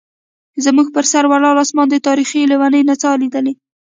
زموږ پر سر ولاړ اسمان د تاریخ لیونۍ نڅا لیدلې.